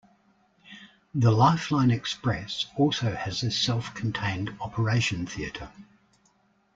The Lifeline Express also has a self-contained operation theatre.